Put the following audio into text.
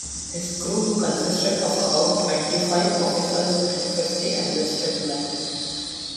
His group consisted of about twenty-five officers and fifty enlisted men.